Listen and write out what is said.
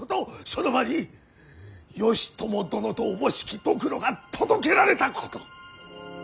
その場に義朝殿とおぼしきドクロが届けられたこと。